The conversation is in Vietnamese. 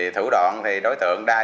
thủ đoạn thì đối tượng đai